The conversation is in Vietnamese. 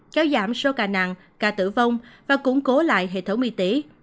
kéo giảm số ca nạn ca tử vong và củng cố lại hệ thống y tế